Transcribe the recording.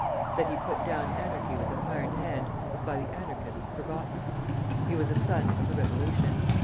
That he put down anarchy with an iron hand was by the Anarchists forgotten. He was a son of the Revolution.